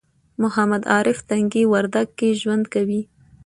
محمد عارف تنگي وردک کې ژوند کوي